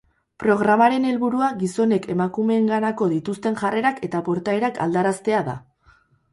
Programaren helburua gizonek emakumeenganako dituzten jarrerak eta portaerak aldaraztea da.